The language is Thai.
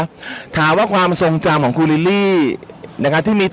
ขอถามว่าความทรงจำของคุณลิหลีที่มีต่อ